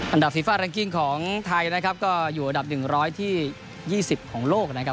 อันดับฟีฟ่าแรงกิ้งของไทยนะครับก็อยู่อันดับ๑ที่๒๐ของโลกนะครับ